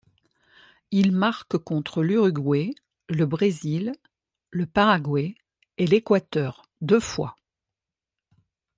Il marque contre l'Uruguay, le Brésil, le Paraguay et l'Équateur, deux fois.